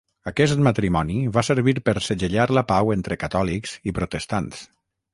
Aquest matrimoni va servir per segellar la pau entre catòlics i protestants.